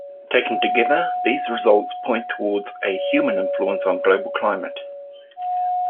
Taken together, these results point towards a human influence on global climate.